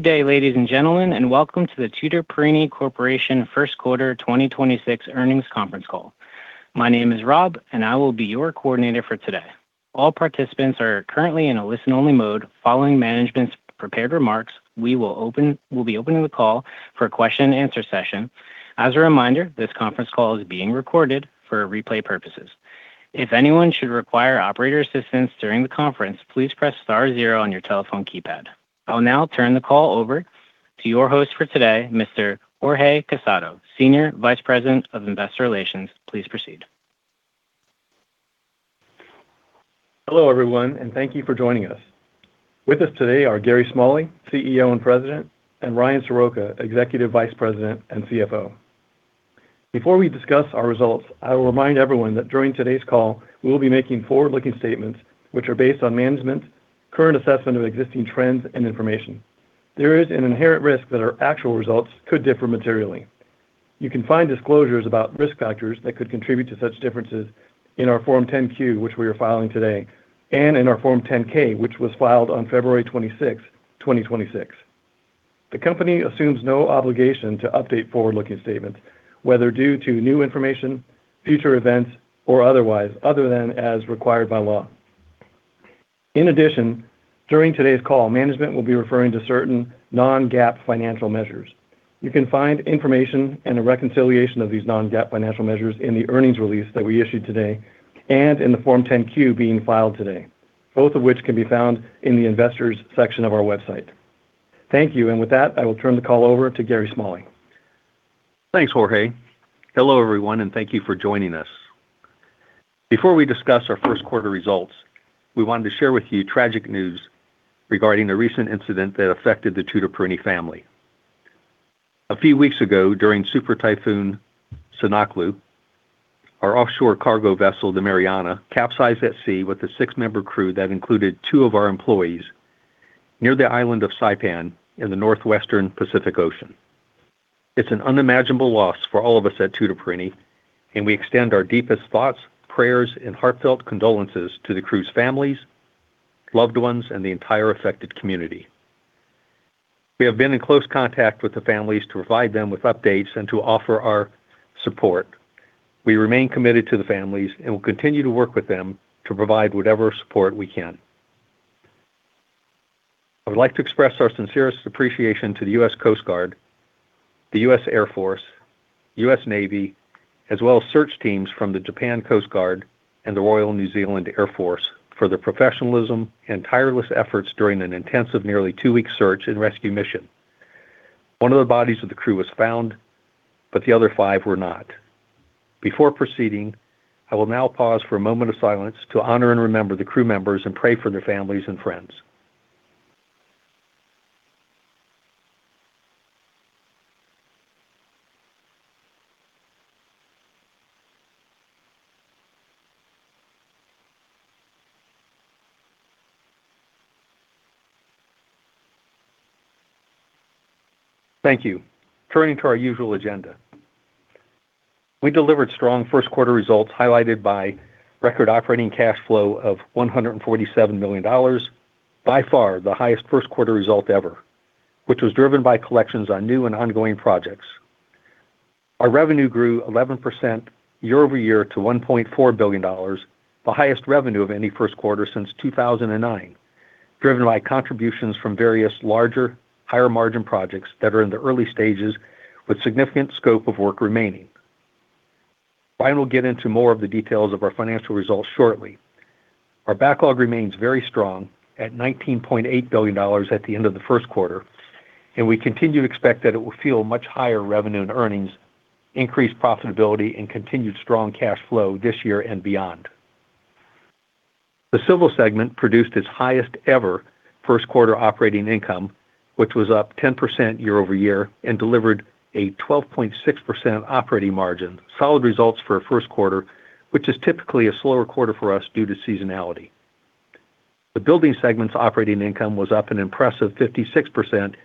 Good day, ladies and gentlemen. Welcome to the Tutor Perini Corporation First Quarter 2026 Earnings Conference Call. My name is Rob, and I will be your coordinator for today. All participants are currently in a listen-only mode. Following management's prepared remarks, we'll be opening the call for a question-and-answer session. As a reminder, this conference call is being recorded for replay purposes. If anyone should require operator assistance during the conference, please press star zero on your telephone keypad. I will now turn the call over to your host for today, Mr. Jorge Casado, Senior Vice President of Investor Relations. Please proceed. Hello, everyone, and thank you for joining us. With us today are Gary Smalley, CEO and President, and Ryan Soroka, Executive Vice President and CFO. Before we discuss our results, I will remind everyone that during today's call, we will be making forward-looking statements, which are based on management, current assessment of existing trends and information. There is an inherent risk that our actual results could differ materially. You can find disclosures about risk factors that could contribute to such differences in our Form 10-Q, which we are filing today, and in our Form 10-K, which was filed on February 26th, 2026. The company assumes no obligation to update forward-looking statements, whether due to new information, future events, or otherwise, other than as required by law. During today's call, management will be referring to certain non-GAAP financial measures. You can find information and a reconciliation of these non-GAAP financial measures in the earnings release that we issued today and in the Form 10-Q being filed today, both of which can be found in the Investors section of our website. Thank you. With that, I will turn the call over to Gary Smalley. Thanks, Jorge. Hello, everyone, and thank you for joining us. Before we discuss our first quarter results, we wanted to share with you tragic news regarding a recent incident that affected the Tutor Perini family. A few weeks ago, during Super Typhoon Sinlaku, our offshore cargo vessel, the Mariana, capsized at sea with a six-member crew that included two of our employees near the island of Saipan in the Northwestern Pacific Ocean. It's an unimaginable loss for all of us at Tutor Perini, and we extend our deepest thoughts, prayers, and heartfelt condolences to the crew's families, loved ones, and the entire affected community. We have been in close contact with the families to provide them with updates and to offer our support. We remain committed to the families and will continue to work with them to provide whatever support we can. I would like to express our sincerest appreciation to the U.S. Coast Guard, the U.S. Air Force, U.S. Navy, as well as search teams from the Japan Coast Guard and the Royal New Zealand Air Force for their professionalism and tireless efforts during an intensive, nearly two-week search and rescue mission. One of the bodies of the crew was found, but the other five were not. Before proceeding, I will now pause for a moment of silence to honor and remember the crew members and pray for their families and friends. Thank you. Turning to our usual agenda. We delivered strong first quarter results, highlighted by record operating cash flow of $147 million, by far the highest first quarter result ever, which was driven by collections on new and ongoing projects. Our revenue grew 11% year-over-year to $1.4 billion, the highest revenue of any first quarter since 2009, driven by contributions from various larger, higher-margin projects that are in the early stages with significant scope of work remaining. Ryan will get into more of the details of our financial results shortly. Our backlog remains very strong at $19.8 billion at the end of the first quarter. We continue to expect that it will fuel much higher revenue and earnings, increased profitability, and continued strong cash flow this year and beyond. The Civil segment produced its highest ever first quarter operating income, which was up 10% year-over-year and delivered a 12.6% operating margin. Solid results for a first quarter, which is typically a slower quarter for us due to seasonality. The Building Segment's operating income was up an impressive 56%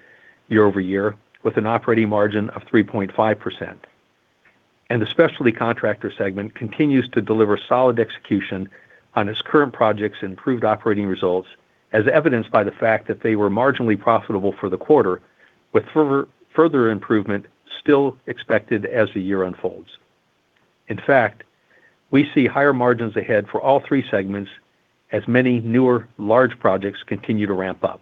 year-over-year, with an operating margin of 3.5%. The specialty contractor segment continues to deliver solid execution on its current projects improved operating results, as evidenced by the fact that they were marginally profitable for the quarter, with further improvement still expected as the year unfolds. In fact, we see higher margins ahead for all three segments as many newer large projects continue to ramp up.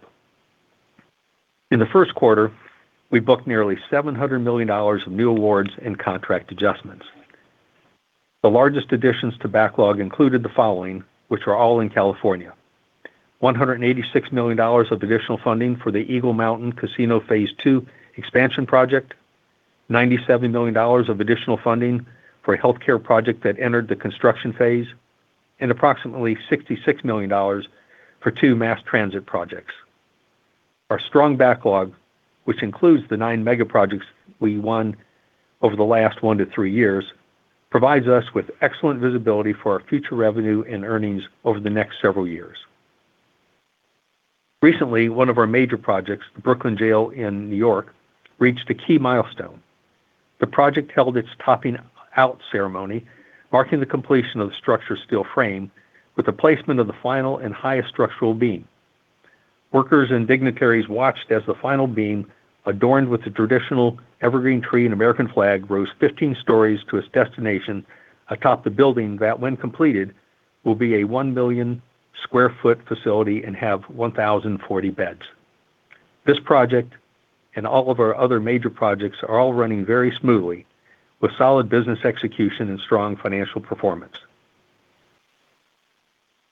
In the first quarter, we booked nearly $700 million of new awards and contract adjustments. The largest additions to backlog included the following, which were all in California. $186 million of additional funding for the Eagle Mountain Casino Phase 2 expansion project, $97 million of additional funding for a healthcare project that entered the construction phase, and approximately $66 million for two mass transit projects. Our strong backlog, which includes the nine megaprojects we won over the last one to three years, provides us with excellent visibility for our future revenue and earnings over the next several years. Recently, one of our major projects, the Brooklyn Jail Facility in New York, reached a key milestone. The project held its topping out ceremony, marking the completion of the structure's steel frame with the placement of the final and highest structural beam. Workers and dignitaries watched as the final beam, adorned with the traditional evergreen tree and American flag, rose 15 stories to its destination atop the building that, when completed, will be a 1 million sq ft facility and have 1,040 beds. This project and all of our other major projects are all running very smoothly with solid business execution and strong financial performance.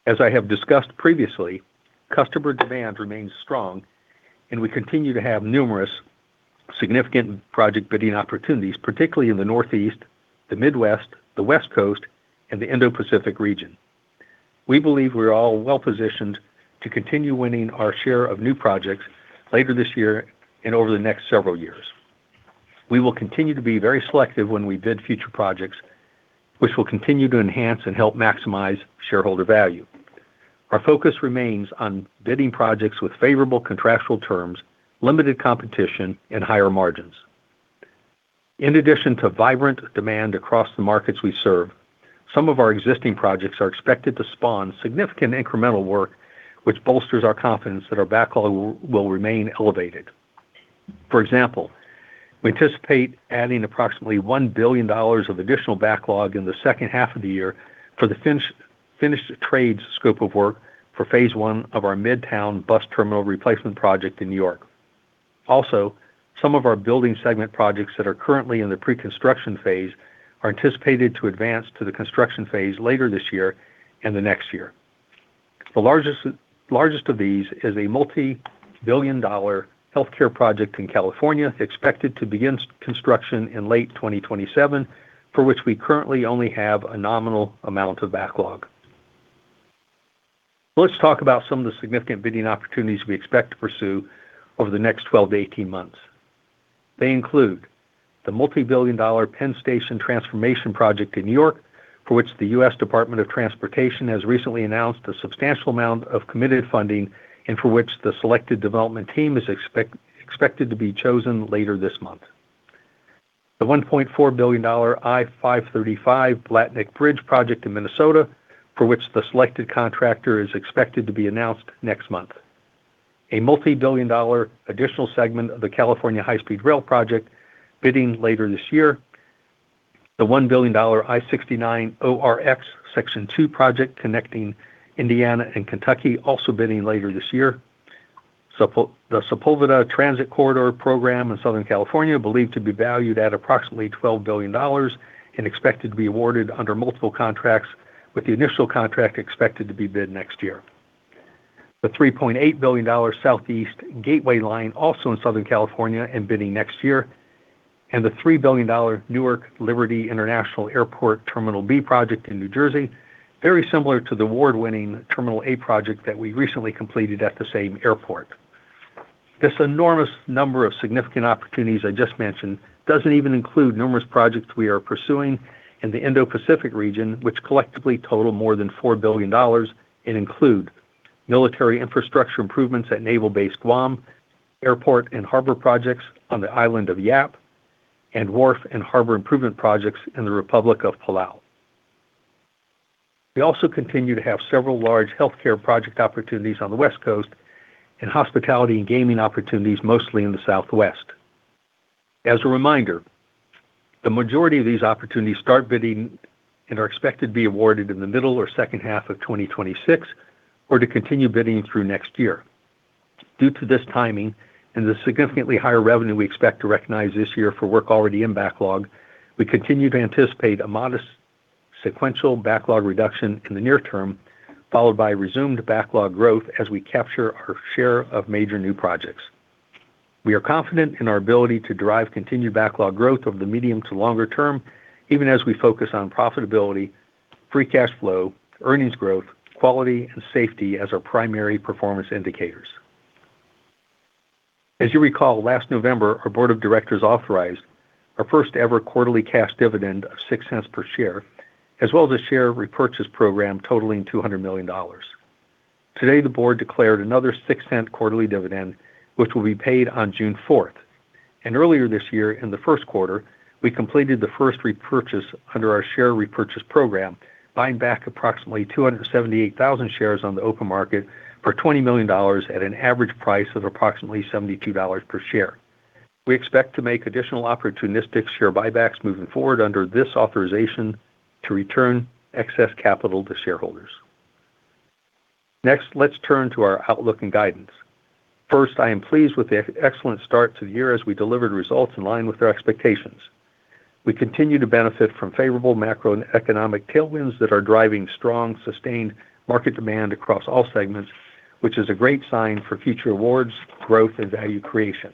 As I have discussed previously, customer demand remains strong, and we continue to have numerous significant project bidding opportunities, particularly in the Northeast, the Midwest, the West Coast, and the Indo-Pacific region. We believe we are all well-positioned to continue winning our share of new projects later this year and over the next several years. We will continue to be very selective when we bid future projects, which will continue to enhance and help maximize shareholder value. Our focus remains on bidding projects with favorable contractual terms, limited competition, and higher margins. In addition to vibrant demand across the markets we serve, some of our existing projects are expected to spawn significant incremental work, which bolsters our confidence that our backlog will remain elevated. For example, we anticipate adding approximately $1 billion of additional backlog in the second half of the year for the finished trades scope of work for Phase 1 of our Midtown Bus Terminal Replacement Project in New York. Also, some of our Building Segment projects that are currently in the pre-construction phase are anticipated to advance to the construction phase later this year and next year. The largest of these is a multi-billion dollar healthcare project in California, expected to begin construction in late 2027, for which we currently only have a nominal amount of backlog. Let's talk about some of the significant bidding opportunities we expect to pursue over the next 12 to 18 months. They include the multi-billion-dollar Penn Station Transformation Project in New York, for which the U.S. Department of Transportation has recently announced a substantial amount of committed funding, and for which the selected development team is expected to be chosen later this month. The $1.4 billion I-535 Blatnik Bridge Project in Minnesota, for which the selected contractor is expected to be announced next month. A multi-billion dollar additional segment of the California High-Speed Rail Project, bidding later this year. The $1 billion I-69 ORX Section 2 project connecting Indiana and Kentucky, also bidding later this year. The Sepulveda Transit Corridor Program in Southern California, believed to be valued at approximately $12 billion and expected to be awarded under multiple contracts, with the initial contract expected to be bid next year. The $3.8 billion Southeast Gateway Line, also in Southern California, and bidding next year. The $3 billion Newark Liberty International Airport Terminal B project in New Jersey, very similar to the award-winning Terminal A project that we recently completed at the same airport. This enormous number of significant opportunities I just mentioned doesn't even include numerous projects we are pursuing in the Indo-Pacific region, which collectively total more than $4 billion and include military infrastructure improvements at Naval Base Guam, airport and harbor projects on the island of Yap, and wharf and harbor improvement projects in the Republic of Palau. We also continue to have several large healthcare project opportunities on the West Coast and hospitality and gaming opportunities mostly in the Southwest. As a reminder, the majority of these opportunities start bidding and are expected to be awarded in the middle or second half of 2026 or to continue bidding through next year. Due to this timing and the significantly higher revenue we expect to recognize this year for work already in backlog, we continue to anticipate a modest sequential backlog reduction in the near term, followed by resumed backlog growth as we capture our share of major new projects. We are confident in our ability to drive continued backlog growth over the medium to longer term, even as we focus on profitability, free cash flow, earnings growth, quality, and safety as our primary performance indicators. As you recall, last November, our Board of Directors authorized our first-ever quarterly cash dividend of $0.06 per share, as well as a share repurchase program totaling $200 million. Today, the Board declared another $0.06 quarterly dividend, which will be paid on June 4th. Earlier this year, in the first quarter, we completed the first repurchase under our share repurchase program, buying back approximately 278,000 shares on the open market for $20 million at an average price of approximately $72 per share. We expect to make additional opportunistic share buybacks moving forward under this authorization to return excess capital to shareholders. Next, let's turn to our outlook and guidance. First, I am pleased with the excellent start to the year as we delivered results in line with our expectations. We continue to benefit from favorable macroeconomic tailwinds that are driving strong, sustained market demand across all segments, which is a great sign for future awards, growth, and value creation.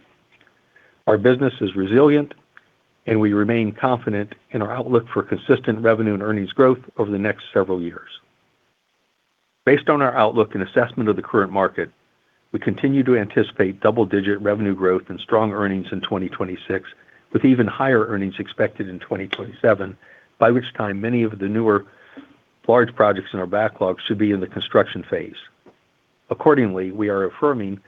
Our business is resilient, and we remain confident in our outlook for consistent revenue and earnings growth over the next several years. Based on our outlook and assessment of the current market, we continue to anticipate double-digit revenue growth and strong earnings in 2026, with even higher earnings expected in 2027, by which time many of the newer large projects in our backlog should be in the construction phase. Accordingly, we are affirming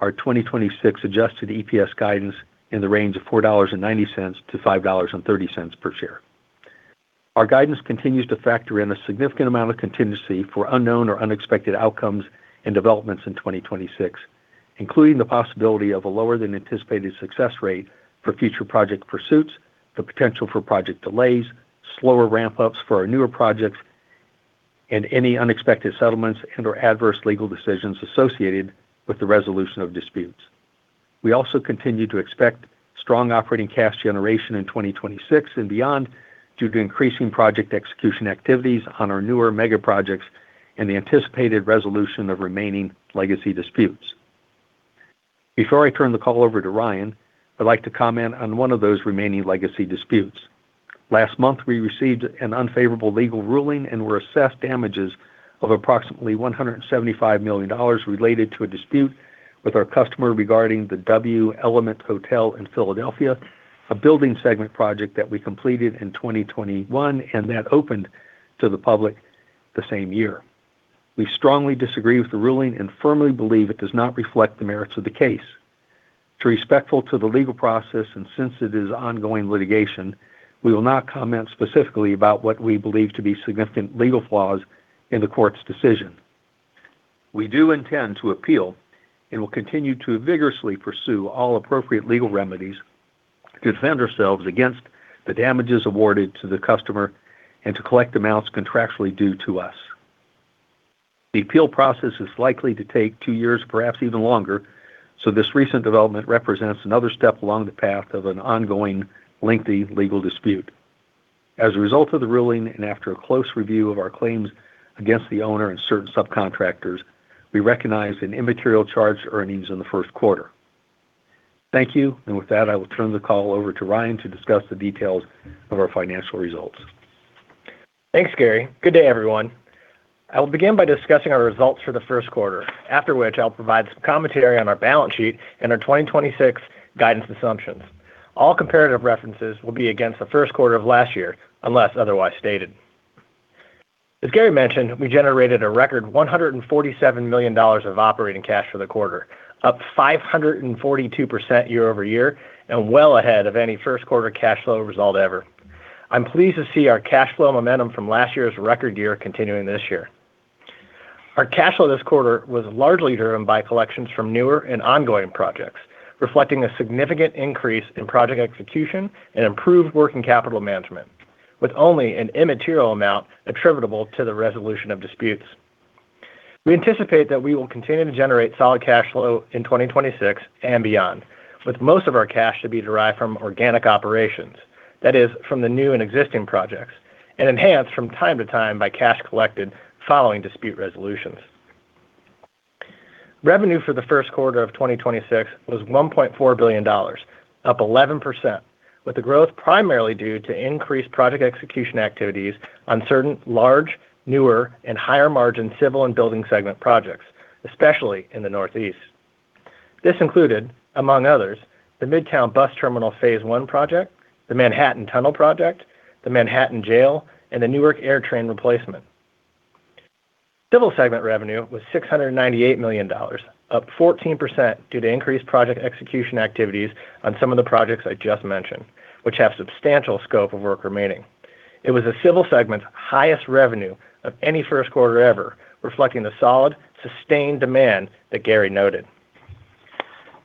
our 2026 adjusted EPS guidance in the range of $4.90-$5.30 per share. Our guidance continues to factor in a significant amount of contingency for unknown or unexpected outcomes and developments in 2026, including the possibility of a lower than anticipated success rate for future project pursuits, the potential for project delays, slower ramp-ups for our newer projects, and any unexpected settlements and or adverse legal decisions associated with the resolution of disputes. We also continue to expect strong operating cash generation in 2026 and beyond due to increasing project execution activities on our newer mega projects and the anticipated resolution of remaining legacy disputes. Before I turn the call over to Ryan, I'd like to comment on one of those remaining legacy disputes. Last month, we received an unfavorable legal ruling and were assessed damages of approximately $175 million related to a dispute with our customer regarding the W/Element Hotel in Philadelphia, a Building Segment project that we completed in 2021 and that opened to the public the same year. We strongly disagree with the ruling and firmly believe it does not reflect the merits of the case. To be respectful to the legal process and since it is ongoing litigation, we will not comment specifically about what we believe to be significant legal flaws in the court's decision. We do intend to appeal and will continue to vigorously pursue all appropriate legal remedies to defend ourselves against the damages awarded to the customer and to collect amounts contractually due to us. The appeal process is likely to take two years, perhaps even longer, so this recent development represents another step along the path of an ongoing lengthy legal dispute. As a result of the ruling and after a close review of our claims against the owner and certain subcontractors, we recognize an immaterial charge to earnings in the first quarter. Thank you. With that, I will turn the call over to Ryan to discuss the details of our financial results. Thanks, Gary. Good day, everyone. I will begin by discussing our results for the first quarter, after which I'll provide some commentary on our balance sheet and our 2026 guidance assumptions. All comparative references will be against the first quarter of last year, unless otherwise stated. As Gary mentioned, we generated a record $147 million of operating cash for the quarter, up 542% year-over-year and well ahead of any first quarter cash flow result ever. I'm pleased to see our cash flow momentum from last year's record year continuing this year. Our cash flow this quarter was largely driven by collections from newer and ongoing projects, reflecting a significant increase in project execution and improved working capital management, with only an immaterial amount attributable to the resolution of disputes. We anticipate that we will continue to generate solid cash flow in 2026 and beyond, with most of our cash to be derived from organic operations, that is, from the new and existing projects, and enhanced from time to time by cash collected following dispute resolutions. Revenue for the first quarter of 2026 was $1.4 billion, up 11%, with the growth primarily due to increased project execution activities on certain large, newer, and higher margin Civil and Building Segment projects, especially in the Northeast. This included, among others, the Midtown Bus Terminal Phase 1 Project, the Manhattan Tunnel Project, the Manhattan Jail, and the Newark AirTrain replacement. Civil Segment revenue was $698 million, up 14% due to increased project execution activities on some of the projects I just mentioned, which have substantial scope of work remaining. It was the Civil Segment's highest revenue of any first quarter ever, reflecting the solid, sustained demand that Gary noted.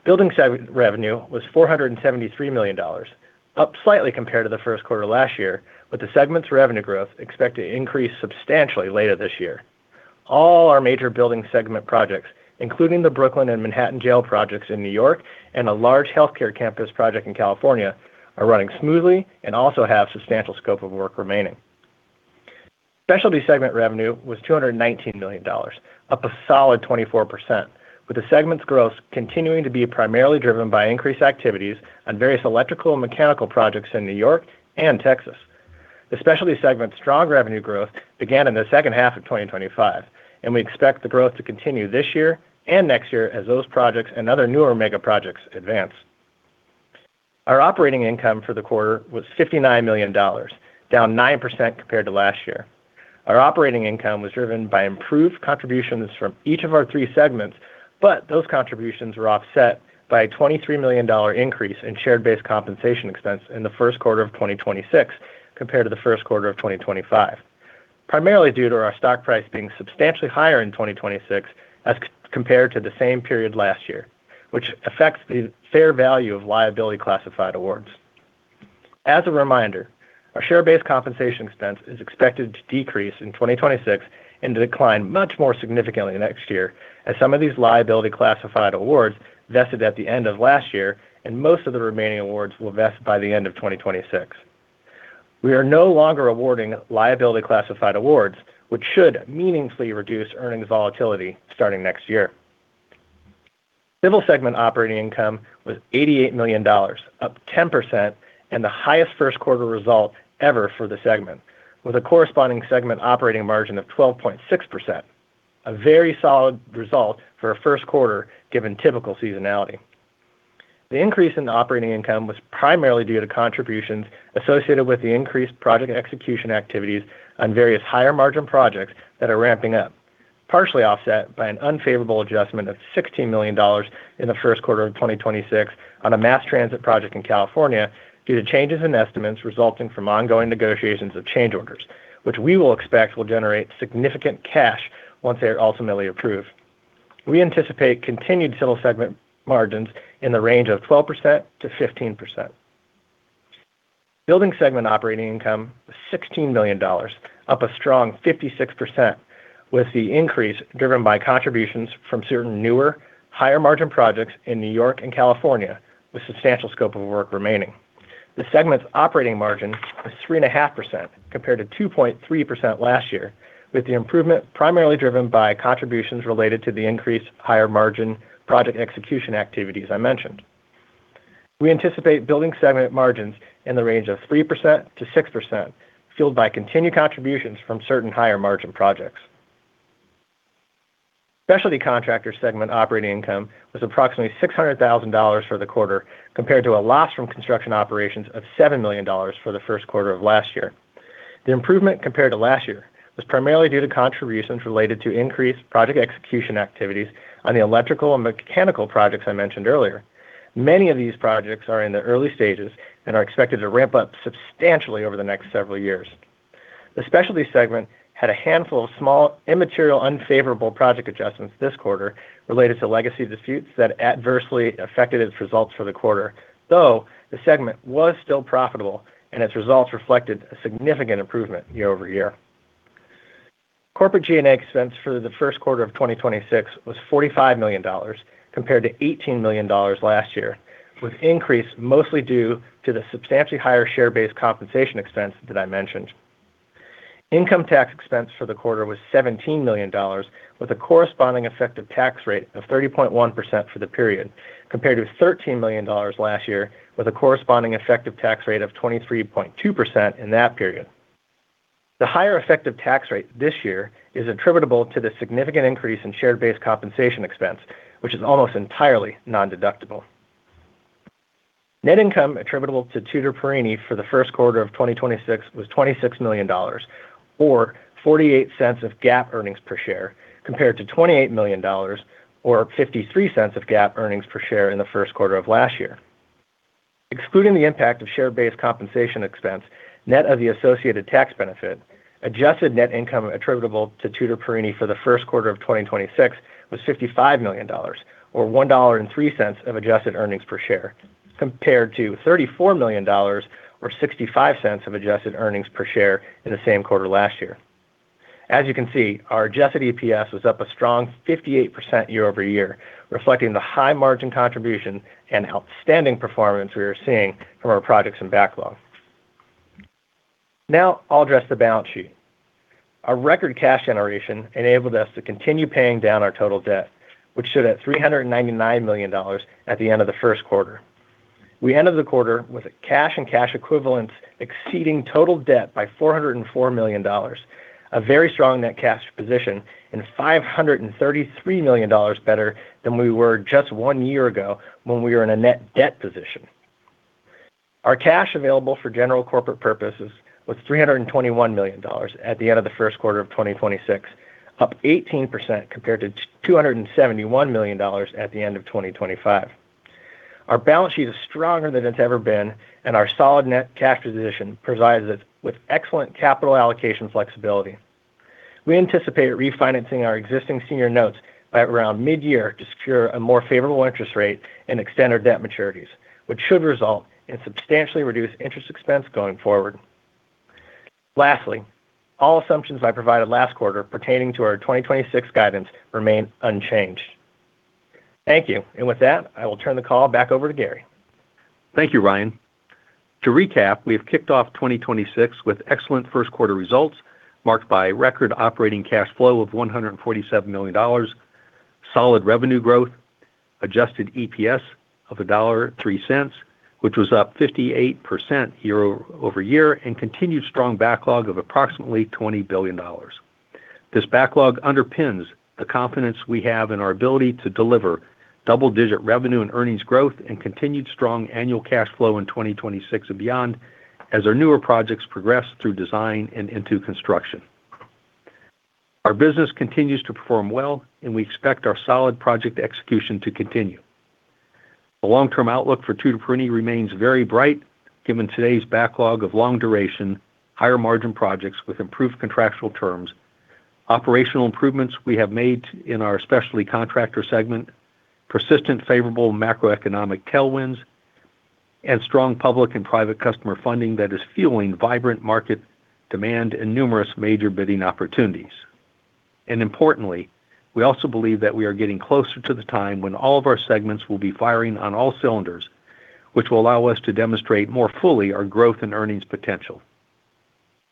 Building Segment revenue was $473 million, up slightly compared to the first quarter last year, with the segment's revenue growth expected to increase substantially later this year. All our major Building Segment projects, including the Brooklyn and Manhattan Jail projects in New York and a large healthcare campus project in California, are running smoothly and also have substantial scope of work remaining. Specialty Segment revenue was $219 million, up a solid 24%, with the segment's growth continuing to be primarily driven by increased activities on various electrical and mechanical projects in New York and Texas. The Specialty Segment's strong revenue growth began in the second half of 2025, and we expect the growth to continue this year and next year as those projects and other newer mega projects advance. Our operating income for the quarter was $59 million, down 9% compared to last year. Our operating income was driven by improved contributions from each of our three segments, but those contributions were offset by a $23 million increase in shared-base compensation expense in the first quarter of 2026 compared to the first quarter of 2025, primarily due to our stock price being substantially higher in 2026 as compared to the same period last year, which affects the fair value of liability classified awards. As a reminder, our shared-base compensation expense is expected to decrease in 2026 and decline much more significantly next year as some of these liability classified awards vested at the end of last year and most of the remaining awards will vest by the end of 2026. We are no longer awarding liability classified awards, which should meaningfully reduce earnings volatility starting next year. Civil Segment operating income was $88 million, up 10% and the highest first quarter result ever for the segment, with a corresponding segment operating margin of 12.6%, a very solid result for a first quarter given typical seasonality. The increase in the operating income was primarily due to contributions associated with the increased project execution activities on various higher margin projects that are ramping up, partially offset by an unfavorable adjustment of $60 million in the first quarter of 2026 on a mass transit project in California due to changes in estimates resulting from ongoing negotiations of change orders, which we will expect will generate significant cash once they are ultimately approved. We anticipate continued Civil Segment margins in the range of 12%-15%. Building Segment operating income was $16 million, up a strong 56%, with the increase driven by contributions from certain newer, higher margin projects in New York and California, with substantial scope of work remaining. The segment's operating margin was 3.5% compared to 2.3% last year, with the improvement primarily driven by contributions related to the increased higher margin project execution activities I mentioned. We anticipate Building Segment margins in the range of 3%-6%, fueled by continued contributions from certain higher margin projects. Specialty Contractor Segment operating income was approximately $600,000 for the quarter, compared to a loss from construction operations of $7 million for the first quarter of last year. The improvement compared to last year was primarily due to contributions related to increased project execution activities on the electrical and mechanical projects I mentioned earlier. Many of these projects are in the early stages and are expected to ramp up substantially over the next several years. The Specialty Segment had a handful of small, immaterial, unfavorable project adjustments this quarter related to legacy disputes that adversely affected its results for the quarter, though the segment was still profitable and its results reflected a significant improvement year-over-year. Corporate G&A expense for the first quarter of 2026 was $45 million, compared to $18 million last year, with increase mostly due to the substantially higher share-based compensation expense that I mentioned. Income tax expense for the quarter was $17 million, with a corresponding effective tax rate of 30.1% for the period, compared to $13 million last year, with a corresponding effective tax rate of 23.2% in that period. The higher effective tax rate this year is attributable to the significant increase in share-based compensation expense, which is almost entirely non-deductible. Net income attributable to Tutor Perini for the first quarter of 2026 was $26 million or $0.48 of GAAP earnings per share, compared to $28 million or $0.53 of GAAP earnings per share in the first quarter of last year. Excluding the impact of share-based compensation expense, net of the associated tax benefit, adjusted net income attributable to Tutor Perini for the first quarter of 2026 was $55 million or $1.03 of adjusted earnings per share, compared to $34 million or $0.65 of adjusted earnings per share in the same quarter last year. As you can see, our adjusted EPS was up a strong 58% year-over-year, reflecting the high margin contribution and outstanding performance we are seeing from our projects and backlog. Now I'll address the balance sheet. Our record cash generation enabled us to continue paying down our total debt, which stood at $399 million at the end of the first quarter. We ended the quarter with cash and cash equivalents exceeding total debt by $404 million, a very strong net cash position and $533 million better than we were just one year ago when we were in a net debt position. Our cash available for general corporate purposes was $321 million at the end of the first quarter of 2026, up 18% compared to $271 million at the end of 2025. Our balance sheet is stronger than it's ever been, and our solid net cash position provides us with excellent capital allocation flexibility. We anticipate refinancing our existing senior notes by around mid-year to secure a more favorable interest rate and extend our debt maturities, which should result in substantially reduced interest expense going forward. Lastly, all assumptions I provided last quarter pertaining to our 2026 guidance remain unchanged. Thank you. With that, I will turn the call back over to Gary. Thank you, Ryan. To recap, we have kicked off 2026 with excellent first quarter results marked by record operating cash flow of $147 million, solid revenue growth, adjusted EPS of $1.03, which was up 58% year-over-year, and continued strong backlog of approximately $20 billion. This backlog underpins the confidence we have in our ability to deliver double-digit revenue and earnings growth and continued strong annual cash flow in 2026 and beyond as our newer projects progress through design and into construction. Our business continues to perform well, and we expect our solid project execution to continue. The long-term outlook for Tutor Perini remains very bright given today's backlog of long duration, higher margin projects with improved contractual terms, operational improvements we have made in our Specialty Contractor Segment, persistent favorable macroeconomic tailwinds, and strong public and private customer funding that is fueling vibrant market demand and numerous major bidding opportunities. Importantly, we also believe that we are getting closer to the time when all of our segments will be firing on all cylinders, which will allow us to demonstrate more fully our growth and earnings potential.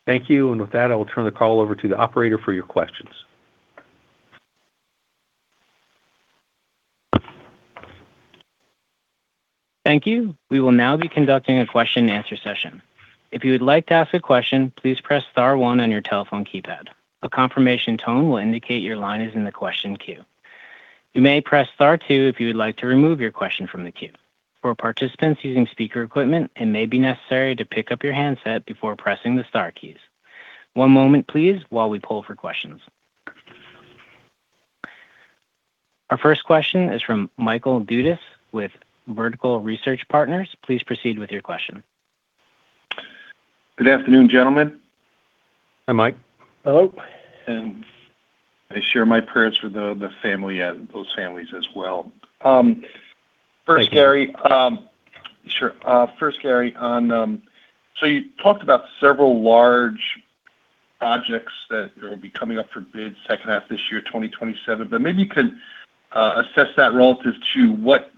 Thank you. With that, I will turn the call over to the operator for your questions. Thank you. We will now be conducting a question-and-answer session. If you would like to ask a question, please press star one on your telephone keypad. A confirmation tone will indicate your line is in the question queue. You may press star two if you would like to remove your question from the queue. For participants using speaker equipment, it may be necessary to pick up your handset before pressing the star keys. One moment please while we poll for questions. Our first question is from Michael Dudas with Vertical Research Partners. Please proceed with your question. Good afternoon, gentlemen. Hi, Mike. Hello. I share my prayers with those families as well. Thank you. First, Gary. You talked about several large projects that will be coming up for bid second half this year, 2027. Maybe you could assess that relative to what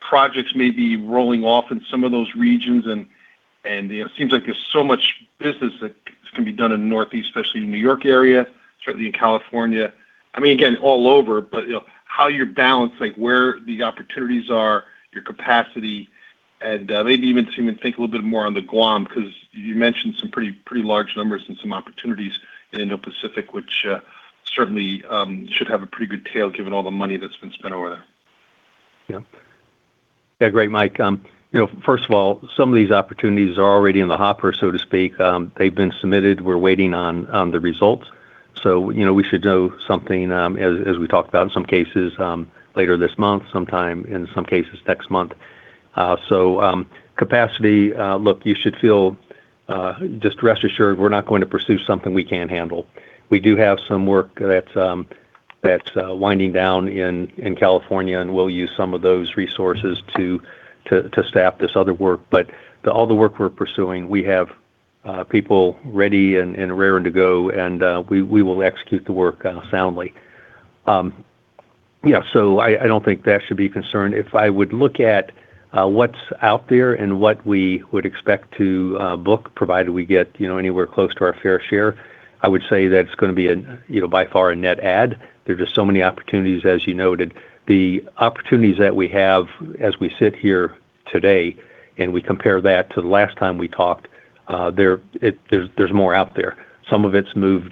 projects may be rolling off in some of those regions, and it seems like there's so much business that can be done in Northeast, especially in New York area, certainly in California. I mean, again, all over, but, you know, how you balance, like, where the opportunities are, your capacity, and maybe even see if you can think a little bit more on the Guam, because you mentioned some pretty large numbers and some opportunities in the Pacific, which certainly should have a pretty good tail given all the money that's been spent over there. Yeah. Yeah, great, Mike. You know, first of all, some of these opportunities are already in the hopper, so to speak. They've been submitted. We're waiting on the results. You know, we should know something, as we talked about in some cases, later this month, sometime in some cases next month. Capacity, look, you should feel just rest assured we're not going to pursue something we can't handle. We do have some work that's that's winding down in California, and we'll use some of those resources to staff this other work. All the work we're pursuing, we have people ready and raring to go, and we will execute the work soundly. Yeah, I don't think that should be a concern. If I would look at what's out there and what we would expect to book, provided we get, you know, anywhere close to our fair share, I would say that it's going to be a, you know, by far a net add. There are just so many opportunities, as you noted. The opportunities that we have as we sit here today and we compare that to the last time we talked, there's more out there. Some of it's moved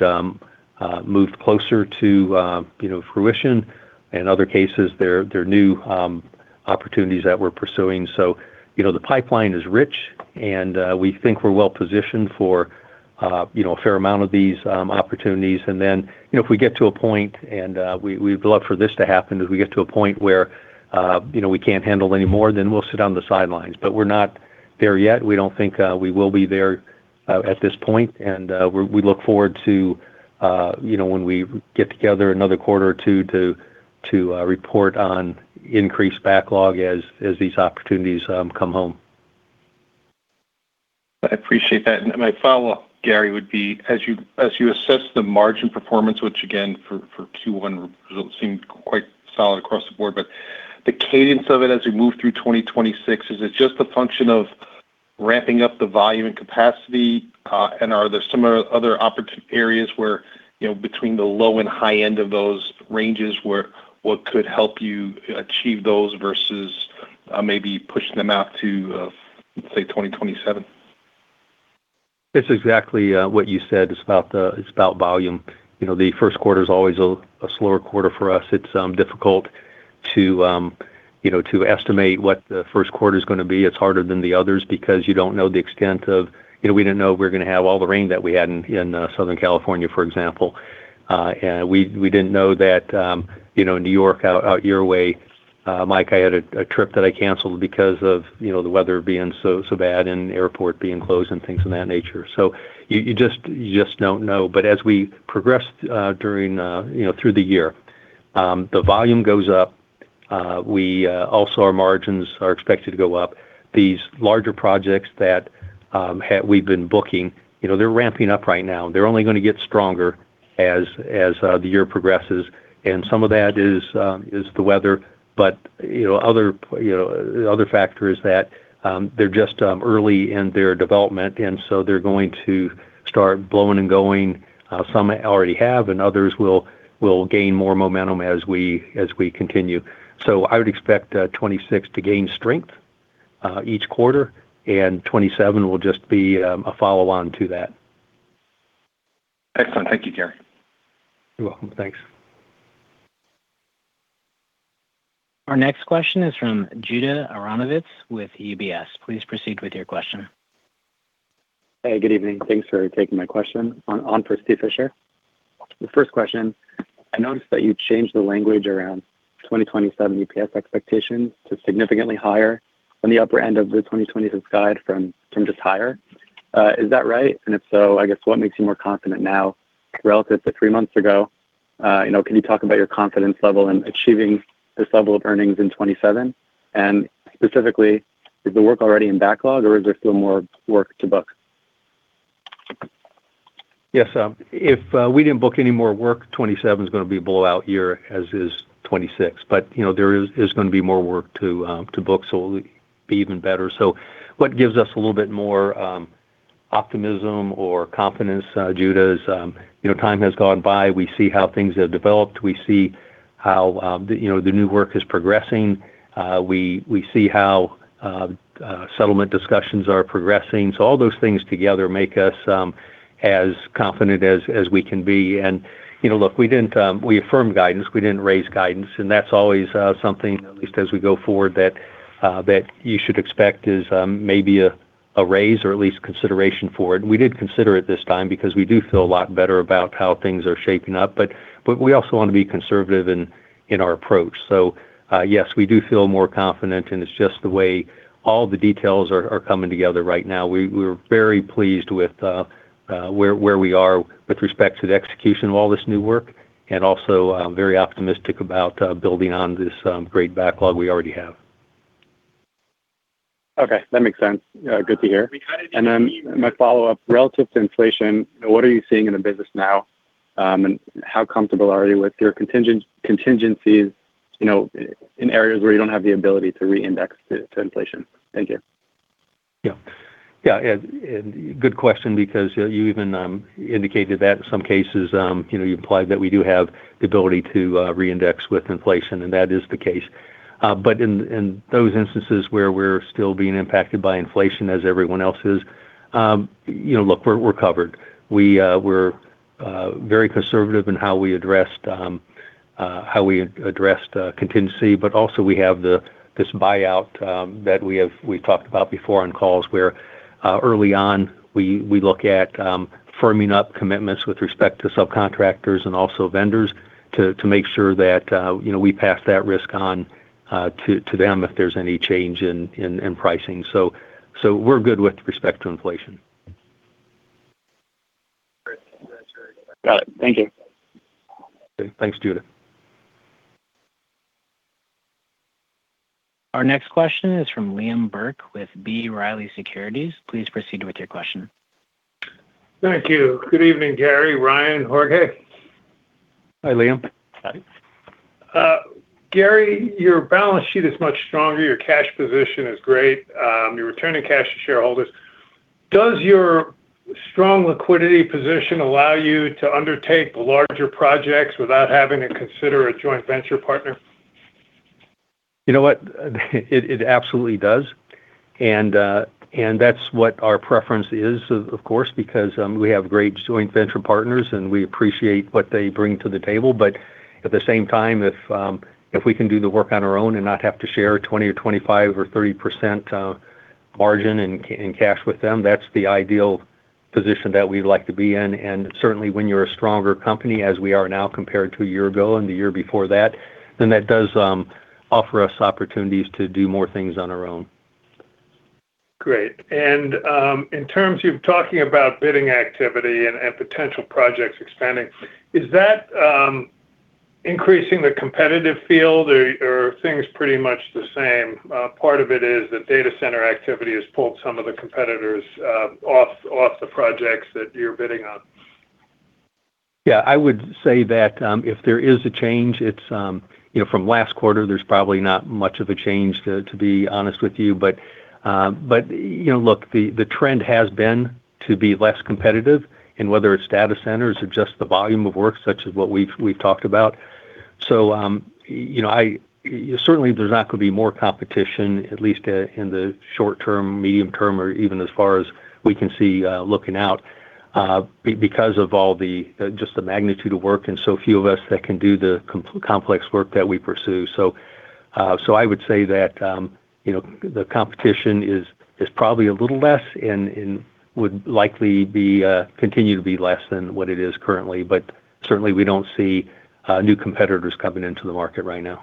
closer to, you know, fruition. In other cases, there are new opportunities that we're pursuing. You know, the pipeline is rich, and we think we're well positioned for, you know, a fair amount of these opportunities. You know, if we get to a point, and we'd love for this to happen, if we get to a point where, you know, we can't handle any more, then we'll sit on the sidelines. We're not there yet. We don't think we will be there at this point. We, we look forward to, you know, when we get together another quarter or two to report on increased backlog as these opportunities come home. I appreciate that. My follow-up, Gary, would be as you assess the margin performance, which again for Q1 results seemed quite solid across the board, but the cadence of it as we move through 2026, is it just a function of ramping up the volume and capacity? Are there similar other areas where, you know, between the low and high end of those ranges where what could help you achieve those versus maybe pushing them out to, let's say 2027? It's exactly what you said. It's about volume. You know, the first quarter is always a slower quarter for us. It's difficult to, you know, to estimate what the first quarter's going to be. It's harder than the others because you don't know the extent of You know, we didn't know we were going to have all the rain that we had in Southern California, for example. And we didn't know that, you know, New York out your way, Mike, I had a trip that I canceled because of, you know, the weather being so bad and the airport being closed and things of that nature. You just don't know. As we progress, during, you know, through the year, the volume goes up. Also our margins are expected to go up. These larger projects that we've been booking, you know, they're ramping up right now. They're only going to get stronger as the year progresses, and some of that is the weather, but, you know, other, you know, other factors that they're just early in their development, and so they're going to start blowing and going. Some already have. Others will gain more momentum as we continue. I would expect 2026 to gain strength each quarter. 2027 will just be a follow-on to that. Excellent. Thank you, Gary. You're welcome. Thanks. Our next question is from Judah Aronovitz with UBS. Please proceed with your question. Hey, good evening. Thanks for taking my question on Steve Fisher. The first question, I noticed that you changed the language around 2027 EPS expectations to significantly higher on the upper end of the 2026 guide from just higher. Is that right? If so, I guess what makes you more confident now relative to three months ago? You know, can you talk about your confidence level in achieving this level of earnings in 27? Specifically, is the work already in backlog, or is there still more work to book? Yes. If we didn't book any more work, 2027 is going to be a blowout year, as is 2026. You know, there is going to be more work to book, so it'll be even better. What gives us a little bit more optimism or confidence, Judah is, you know, time has gone by. We see how things have developed. We see how, you know, the new work is progressing. We see how settlement discussions are progressing. All those things together make us as confident as we can be. You know, look, we didn't, we affirmed guidance, we didn't raise guidance, and that's always something at least as we go forward that you should expect is maybe a raise or at least consideration for it. We did consider it this time because we do feel a lot better about how things are shaping up. We also want to be conservative in our approach. Yes, we do feel more confident, and it's just the way all the details are coming together right now. We're very pleased with where we are with respect to the execution of all this new work, and also, very optimistic about building on this great backlog we already have. Okay. That makes sense. Good to hear. My follow-up, relative to inflation, what are you seeing in the business now, and how comfortable are you with your contingencies, you know, in areas where you don't have the ability to re-index to inflation? Thank you. Yeah, good question because you even indicated that in some cases, you know, you implied that we do have the ability to re-index with inflation, and that is the case. In those instances where we're still being impacted by inflation as everyone else is, you know, look, we're covered. We're very conservative in how we addressed contingency, but also we have this buyout that we have we talked about before on calls, where early on we look at firming up commitments with respect to subcontractors and also vendors to make sure that, you know, we pass that risk on to them if there's any change in pricing. We're good with respect to inflation. Got it. Thank you. Okay. Thanks, Judah. Our next question is from Liam Burke with B. Riley Securities. Please proceed with your question. Thank you. Good evening, Gary, Ryan, Jorge. Hi, Liam. Hi. Gary, your balance sheet is much stronger. Your cash position is great. You're returning cash to shareholders. Does your strong liquidity position allow you to undertake larger projects without having to consider a joint venture partner? You know what? It absolutely does. That's what our preference is, of course, because we have great joint venture partners, and we appreciate what they bring to the table. At the same time, if we can do the work on our own and not have to share 20% or 25% or 30% margin in cash with them, that's the ideal position that we'd like to be in. Certainly when you're a stronger company, as we are now compared to a year ago and the year before that does offer us opportunities to do more things on our own. Great. In terms of talking about bidding activity and potential projects expanding, is that increasing the competitive field or are things pretty much the same? Part of it is that data center activity has pulled some of the competitors off the projects that you're bidding on. Yeah. I would say that, if there is a change, it's, you know, from last quarter there's probably not much of a change to be honest with you. You know, look, the trend has been to be less competitive in whether it's data centers or just the volume of work such as what we've talked about. You know, certainly there's not going to be more competition, at least in the short term, medium term, or even as far as we can see, looking out, because of all the just the magnitude of work and so few of us that can do the complex work that we pursue. I would say that, you know, the competition is probably a little less and would likely be, continue to be less than what it is currently. Certainly we don't see, new competitors coming into the market right now.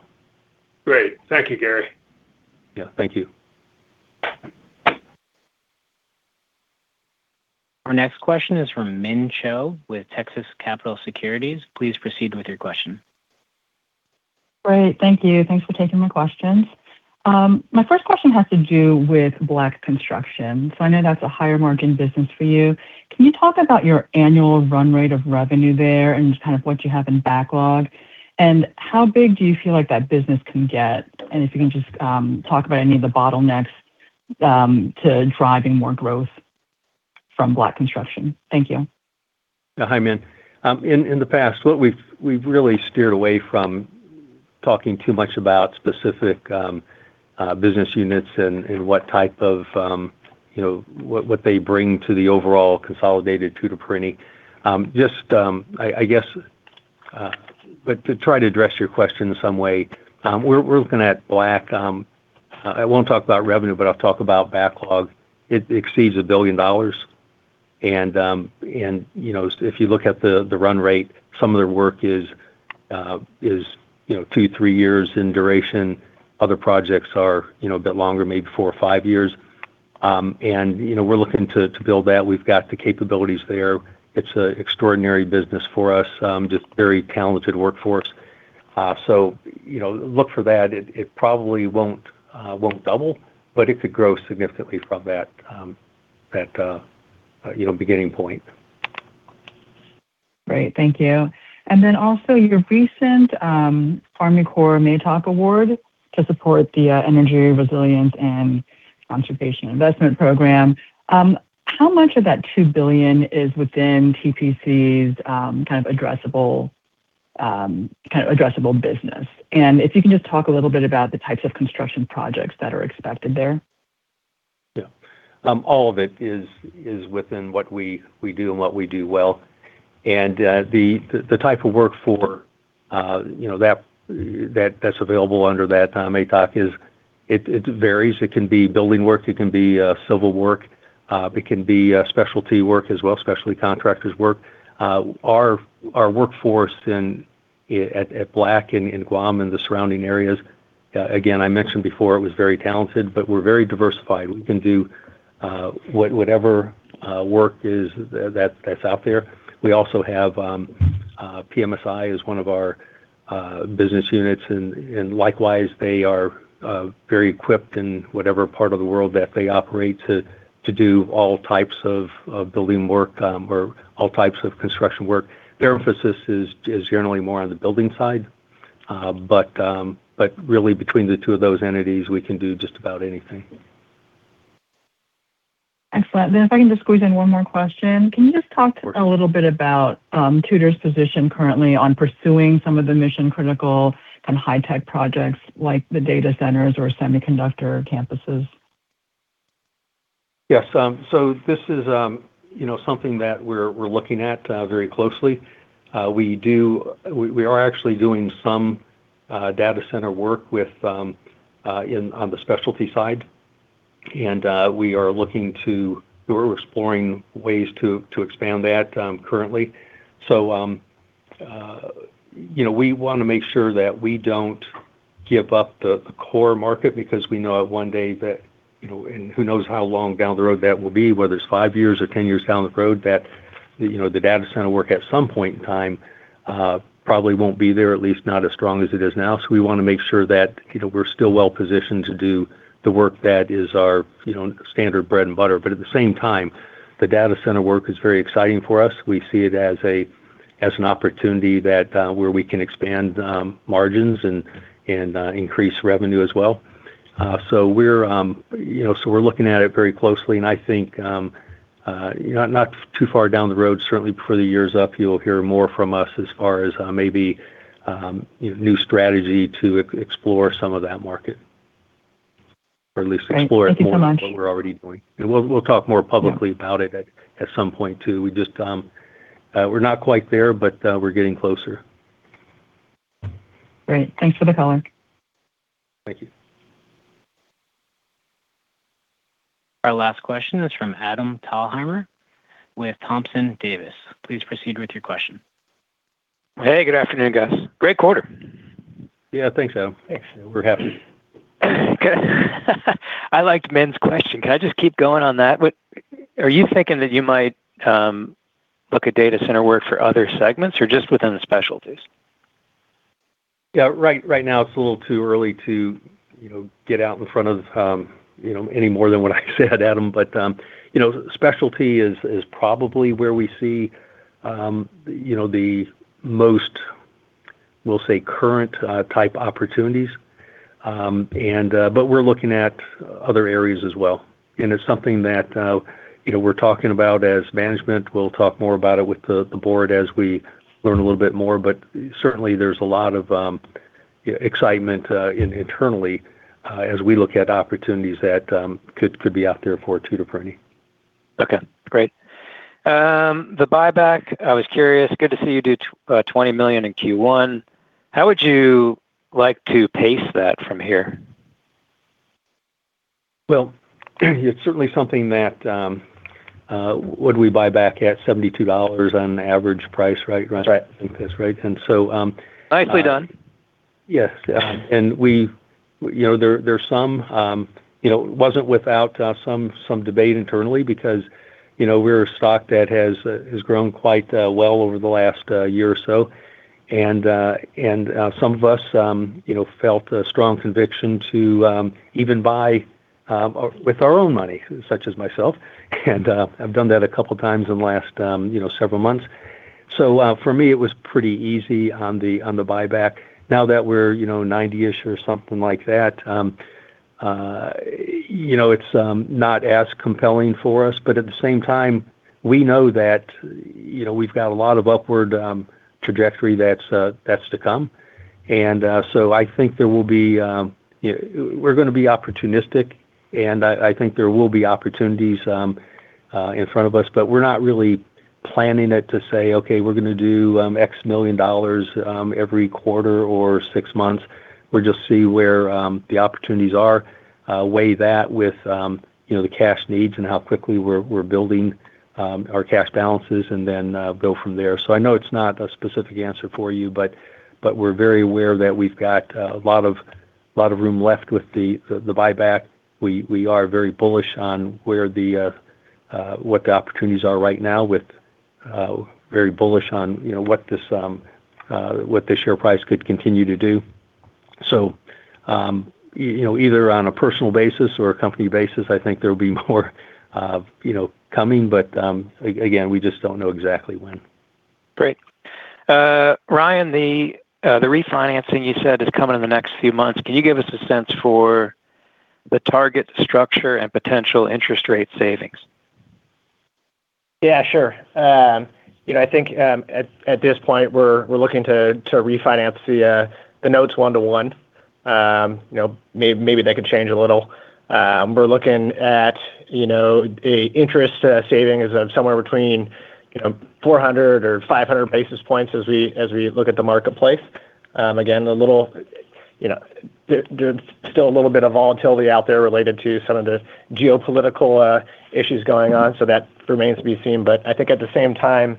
Great. Thank you, Gary. Yeah. Thank you. Our next question is from Min Cho with Texas Capital Securities. Please proceed with your question. Great. Thank you. Thanks for taking my questions. My first question has to do with Black Construction. I know that's a higher margin business for you. Can you talk about your annual run rate of revenue there and just kind of what you have in backlog? How big do you feel like that business can get? If you can just talk about any of the bottlenecks to driving more growth from Black Construction. Thank you. Yeah. Hi, Min. In the past, what we've really steered away from talking too much about specific business units and what type of, you know, what they bring to the overall consolidated Tutor Perini. I guess to try to address your question in some way, we're looking at Black. I won't talk about revenue, but I'll talk about backlog. It exceeds $1 billion. You know, if you look at the run rate, some of their work is, you know, two to three years in duration. Other projects are, you know, a bit longer, maybe four, five years. You know, we're looking to build that. We've got the capabilities there. It's a extraordinary business for us, just very talented workforce. You know, look for that. It probably won't double, but it could grow significantly from that, you know, beginning point. Great. Thank you. Also your recent Army Corps MATOC award to support the Energy Resilience and Conservation Investment Program. How much of that $2 billion is within TPC's kind of addressable business? If you can just talk a little bit about the types of construction projects that are expected there. All of it is within what we do and what we do well. The type of work for, you know, that's available under that MATOC, it varies. It can be building work, it can be civil work, it can be specialty work as well, specialty contractors work. Our workforce at Black and in Guam and the surrounding areas, again, I mentioned before it was very talented, but we're very diversified. We can do whatever work is that's out there. We also have PMSI is one of our business units and likewise, they are very equipped in whatever part of the world that they operate to do all types of building work or all types of construction work. Their emphasis is generally more on the building side. Really between the two of those entities, we can do just about anything. Excellent. If I can just squeeze in one more question. Can you just talk a little bit about Tutor's position currently on pursuing some of the mission-critical kind of high-tech projects like the data centers or semiconductor campuses? Yes. This is, you know, something that we're looking at very closely. We are actually doing some data center work with in, on the specialty side. We're exploring ways to expand that currently. You know, we want to make sure that we don't give up the core market because we know one day that, you know, and who knows how long down the road that will be, whether it's five years or 10 years down the road, that, you know, the data center work at some point in time probably won't be there, at least not as strong as it is now. We want to make sure that, you know, we're still well-positioned to do the work that is our, you know, standard bread and butter. At the same time, the data center work is very exciting for us. We see it as an opportunity that where we can expand margins and increase revenue as well. We're, you know, so we're looking at it very closely, and I think, you know, not too far down the road, certainly before the year is up, you'll hear more from us as far as maybe, you know, new strategy to explore some of that market, or at least explore it more than what we're already doing. Great. Thank you so much. We'll talk more publicly about it at some point too. We just, we're not quite there, but, we're getting closer. Great. Thanks for the color. Thank you. Our last question is from Adam Thalhimer with Thompson Davis. Please proceed with your question. Hey, good afternoon, guys. Great quarter. Yeah, thanks, Adam. Thanks. We're happy. Good. I liked Min's question. Can I just keep going on that? Are you thinking that you might look at data center work for other segments or just within the specialties? Yeah, right now it's a little too early to, you know, get out in front of, you know, any more than what I said, Adam. You know, specialty is probably where we see, you know, the most, we'll say, current, type opportunities. But we're looking at other areas as well. It's something that, you know, we're talking about as Management. We'll talk more about it with the Board as we learn a little bit more. Certainly, there's a lot of, yeah, excitement, internally, as we look at opportunities that could be out there for Tutor Perini. Okay. Great. The buyback, I was curious. Good to see you do $20 million in Q1. How would you like to pace that from here? Well, it's certainly something that, would we buy back at $72 on average price, right? That's right. I think that's right. Nicely done. Yes. Yeah. You know, there are some, you know, it wasn't without some debate internally because, you know, we're a stock that has grown quite well over the last year or so. Some of us, you know, felt a strong conviction to even buy with our own money, such as myself. I've done that two times in the last, you know, several months. For me, it was pretty easy on the buyback. Now that we're, you know, 90-ish or something like that, you know, it's not as compelling for us. At the same time, we know that, you know, we've got a lot of upward trajectory that's to come. I think there will be, we're going to be opportunistic, and I think there will be opportunities in front of us. We're not really planning it to say, "Okay, we're going to do $X million every quarter or six months." We'll just see where the opportunities are, weigh that with, you know, the cash needs and how quickly we're building our cash balances and then go from there. I know it's not a specific answer for you, but we're very aware that we've got a lot of room left with the buyback. We are very bullish on what the opportunities are right now with, very bullish on, you know, what the share price could continue to do. You know, either on a personal basis or a company basis, I think there'll be more, you know, coming. Again, we just don't know exactly when. Great. Ryan, the refinancing you said is coming in the next few months. Can you give us a sense for the target structure and potential interest rate savings? Sure. You know, I think, at this point, we're looking to refinance the notes 1 to 1. You know, maybe that could change a little. We're looking at, you know, an interest savings of somewhere between, you know, 400 or 500 basis points as we look at the marketplace. Again, you know, there's still a little bit of volatility out there related to some of the geopolitical issues going on. That remains to be seen. I think at the same time,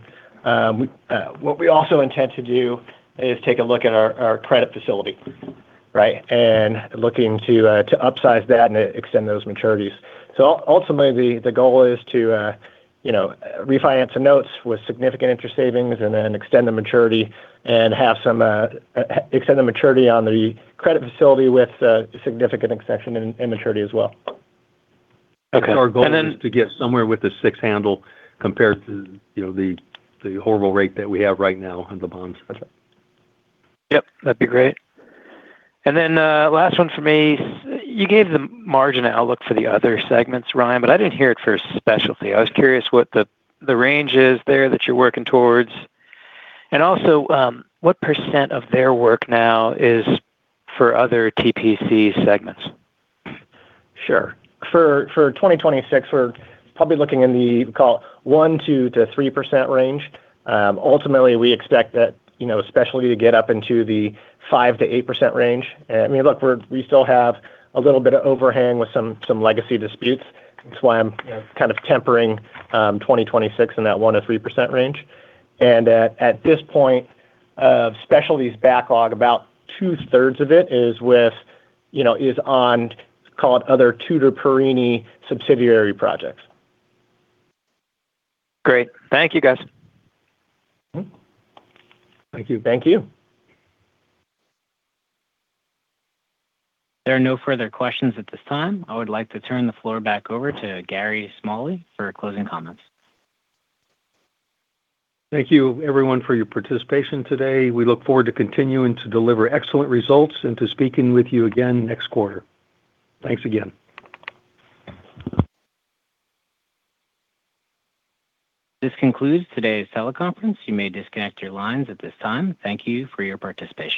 what we also intend to do is take a look at our credit facility, right? Looking to upsize that and extend those maturities. Ultimately, the goal is to, you know, refinance some notes with significant interest savings and then extend the maturity and have some, extend the maturity on the credit facility with significant extension and maturity as well. Okay. Our goal is to get somewhere with the six handle compared to, you know, the horrible rate that we have right now on the bond spread. Yep, that'd be great. Then last one for me. You gave the margin outlook for the other segments, Ryan, but I didn't hear it for Specialty. I was curious what the range is there that you're working towards. Also, what percent of their work now is for other TPC segments? Sure. For 2026, we're probably looking in the, call it, 1.2%-3% range. Ultimately, we expect that, you know, Specialty to get up into the 5%-8% range. I mean, look, we still have a little bit of overhang with some legacy disputes. That's why I'm kind of tempering 2026 in that 1%-3% range. At this point, Specialty's backlog, about 2/3 of it is with, is on, call it, other Tutor Perini subsidiary projects. Great. Thank you, guys. Thank you. Thank you. There are no further questions at this time. I would like to turn the floor back over to Gary Smalley for closing comments. Thank you everyone for your participation today. We look forward to continuing to deliver excellent results and to speaking with you again next quarter. Thanks again. This concludes today's teleconference. You may disconnect your lines at this time. Thank you for your participation.